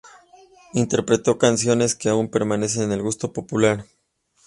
Interpretó canciones que aún permanecen en el gusto popular.